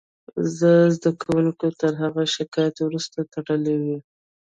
زده کوونکو تر هغه شکایت وروسته تړلې وه